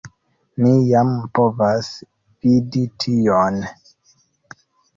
Ni jam povas vidi tion.